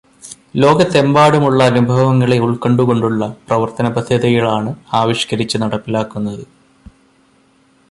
ലോകത്തെമ്പാടുമുള്ള അനുഭവങ്ങളെ ഉള്ക്കൊണ്ടുകൊണ്ടുള്ള പ്രവര്ത്തനപദ്ധതികളാണ് ആവിഷ്കരിച്ച് നടപ്പിലാക്കുന്നത്.